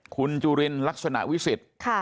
คุณจุรินนิรักษณวิสิต